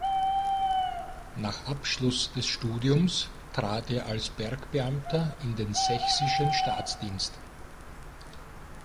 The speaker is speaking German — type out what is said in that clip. Nach Abschluss des Studiums trat er als Bergbeamter in den sächsischen Staatsdienst.